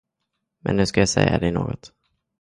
Men nu ska jag säga dig något.